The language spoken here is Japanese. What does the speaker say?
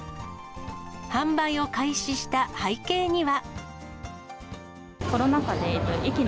販売を開始した背景には。